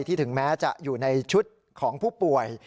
ถึงแม้จะอยู่ในชุดของผู้ป่วย